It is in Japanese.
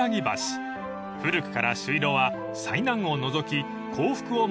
［古くから朱色は災難を除き幸福を招くといわれています］